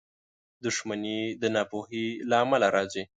• دښمني د ناپوهۍ له امله راځي.